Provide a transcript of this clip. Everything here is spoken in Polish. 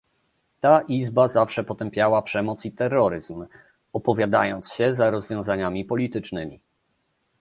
Ta Izba zawsze potępiała przemoc i terroryzm, opowiadając się za rozwiązaniami politycznymi